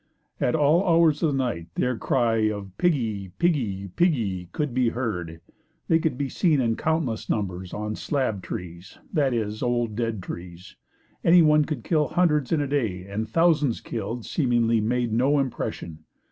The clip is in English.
At all hours of the night their cry of "Pigie, Pigie, Pigie," could be heard. They could be seen in countless numbers on the "slab trees," that is, old, dead trees. Anyone could kill hundreds in a day and thousands killed, seemingly made no impression.